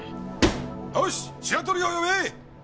よし白鳥を呼べ！